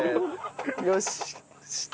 よし。